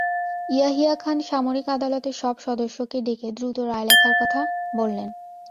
ইয়াহিয়া খান সামরিক আদালতের সব সদস্যকে ডেকে দ্রুত রায় লেখার কথা বললেন।